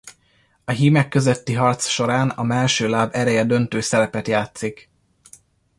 A hímek közötti harc során a mellső láb ereje döntő szerepet játszik.